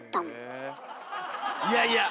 いやいや！